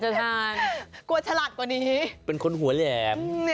กลัวฉลาดกว่านี้เป็นคนหัวแหลม